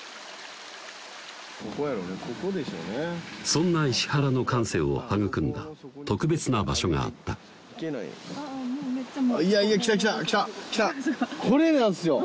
そんな石原の感性を育んだ特別な場所があったいやいや来た来た来た来たこれなんですよ